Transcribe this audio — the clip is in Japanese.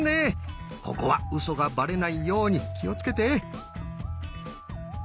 ここはウソがバレないように気をつけて。